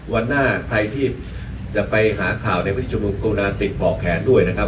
วันหน้าใครที่จะไปหาข่าวในวิธีชุมนุมกรุณาติดบอกแขนด้วยนะครับ